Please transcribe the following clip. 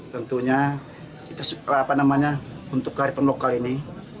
tentunya untuk karir penolok kali ini